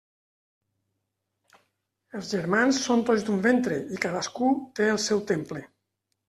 Els germans són tots d'un ventre, i cadascú té el seu temple.